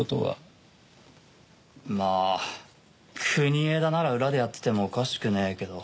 まあ国枝なら裏でやっててもおかしくねえけど。